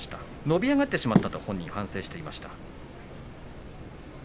伸び上がってしまったと本人は反省していました。